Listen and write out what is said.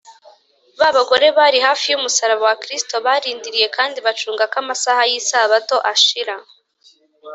ba bagore bari hafi y’umusaraba wa kristo barindiriye kandi bacunga ko amasaha y’isabato ashira